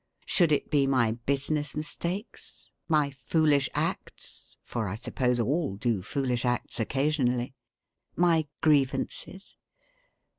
Should it be my business mistakes, my foolish acts (for I suppose all do foolish acts occasionally), my grievances?